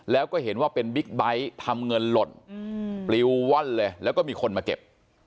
แล้วก็เห็นว่าเป็นบิ๊กไบท์ทำเงินหล่นปลิวว่อนเลยแล้วก็มีคนมาเก็บ